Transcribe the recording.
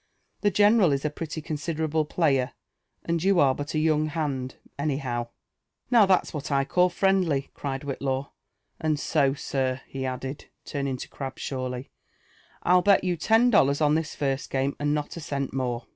The general is a pretty considerable player, and you are but a young hand, any how." IKow that's what I call friendly," cried Whitlaw: '' and so, sir/' he added, turning to Grabshawly, '*i*il bet you tea dollars on tbia first game, and not a cent more."